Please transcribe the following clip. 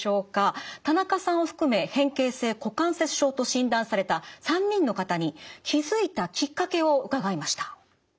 田中さんを含め変形性股関節症と診断された３人の方に気付いたきっかけを伺いました。